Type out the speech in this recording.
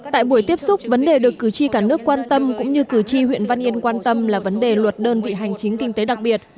tại buổi tiếp xúc vấn đề được cử tri cả nước quan tâm cũng như cử tri huyện văn yên quan tâm là vấn đề luật đơn vị hành chính kinh tế đặc biệt